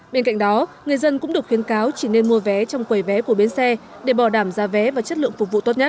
bên cạnh đó người dân cũng được khuyến cáo chỉ nên mua vé trong quầy vé của bến xe để bảo đảm giá vé và chất lượng phục vụ tốt nhất